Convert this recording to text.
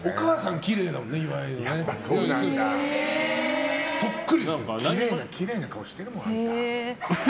きれいな顔してるもん。